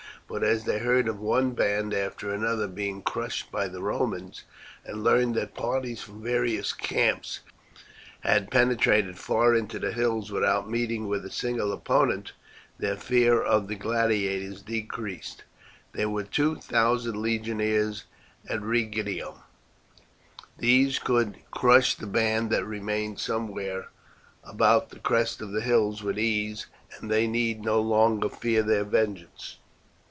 But as they heard of one band after another being crushed by the Romans, and learned that parties from the various camps had penetrated far into the hills without meeting with a single opponent, their fear of the gladiators decreased. There were two thousand legionaries at Rhegium. These could crush the band that remained somewhere about the crest of the hills with ease, and they need no longer fear their vengeance.